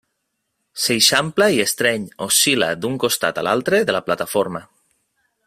S'eixampla i estreny, oscil·la d'un costat a l'altre de la plataforma.